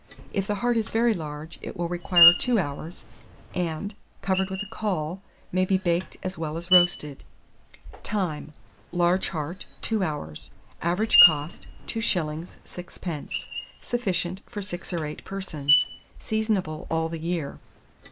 If the heart is very large, it will require 2 hours, and, covered with a caul, may be baked as well as roasted. Time. Large heart, 2 hours. Average cost, 2s. 6d. Sufficient for 6 or 8 persons. Seasonable all the year.